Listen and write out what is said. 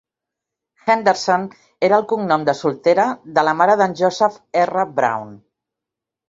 Henderson era el cognom de soltera de la mare d'en Joseph R. Brown.